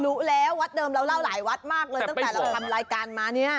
รู้แล้ววัดเดิมเราเล่าหลายวัดมากเลยตั้งแต่เราทำรายการมาเนี่ย